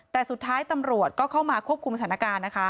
แต่สุดท้ายตำรวจก็เข้ามาควบคุมสถานการณ์นะคะ